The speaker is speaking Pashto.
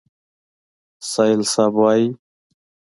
سایل صیب وایي: